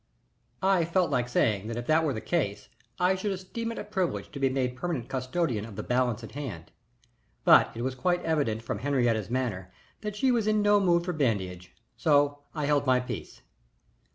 I felt like saying that if that were the case I should esteem it a privilege to be made permanent custodian of the balance in hand, but it was quite evident from Henriette's manner that she was in no mood for badinage, so I held my peace.